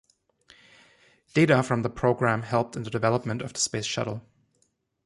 Data from the program helped in the development of the Space Shuttle.